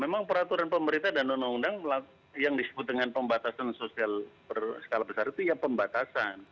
memang peraturan pemerintah dan undang undang yang disebut dengan pembatasan sosial berskala besar itu ya pembatasan